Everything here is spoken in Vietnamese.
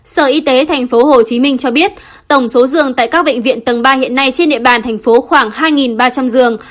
sở y tế tp hcm cho biết tổng số giường tại các bệnh viện tầng ba hiện nay trên địa bàn thành phố khoảng hai ba trăm linh giường